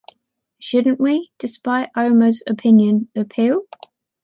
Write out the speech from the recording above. Shouldn’t we, despite Omer’s opinion, appeal?